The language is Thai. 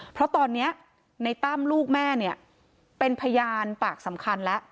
เพราะตอนนี้ในตั้มลูกแม่เนี่ยเป็นพยานปากสำคัญแล้ว